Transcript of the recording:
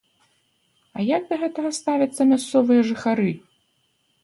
А як да гэтага ставяцца мясцовыя жыхары?